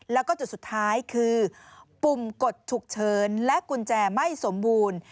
แล้วก็จุดสุดท้ายคือปุ่มกดฉุกเฉินและกุญแจไม่สมบูรณ์